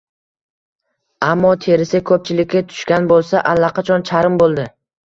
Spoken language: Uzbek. Ammo terisi ko‘nchilikka tushgan bo‘lsa, allaqachon charm bo‘ldi